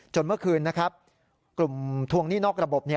เมื่อคืนนะครับกลุ่มทวงหนี้นอกระบบ